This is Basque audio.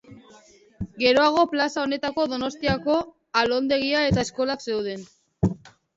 Geroago plaza honetan Donostiako alondegia eta eskolak zeuden.